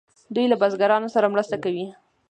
دوی له بزګرانو سره مرسته کوي.